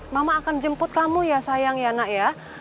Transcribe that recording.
mama akan jemput kamu ya sayang ya nak ya